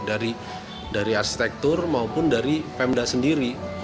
dari arsitektur maupun dari pemda sendiri